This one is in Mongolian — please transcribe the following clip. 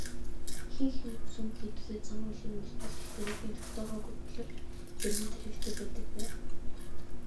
Ихэнх сүм хийдүүдэд зан үйлийг үйлдүүлэх тарифыг тогтоогоогүй боловч зарим нь тарифтай байдаг байна.